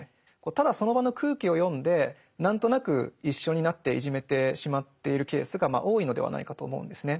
ただその場の空気を読んで何となく一緒になっていじめてしまっているケースがまあ多いのではないかと思うんですね。